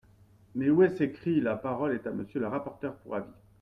Mais où est-ce écrit ? La parole est à Monsieur le rapporteur pour avis.